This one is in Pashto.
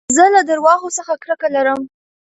زه له درواغو څخه کرکه لرم.